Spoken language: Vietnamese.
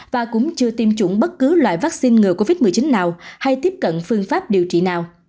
và cũng chưa tiêm chủng bất cứ loại vaccine ngừa covid một mươi chín nào hay tiếp cận phương pháp điều trị nào